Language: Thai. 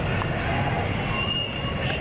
เพราะตอนนี้ก็ไม่มีเวลาให้เข้าไปที่นี่